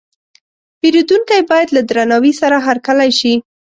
پیرودونکی باید له درناوي سره هرکلی شي.